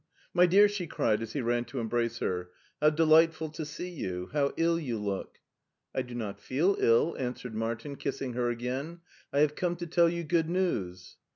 " My dear/' she cried, as he ran to embrace her, " how delightful to see you ; how ill you look." " I do not feel ill,'* answered Martin, kissing her again. " I have come to tell you good news."